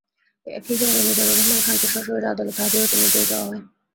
একই সঙ্গে মিজানুর রহমান খানকে সশরীরে আদালতে হাজির হতে নির্দেশ দেওয়া হয়।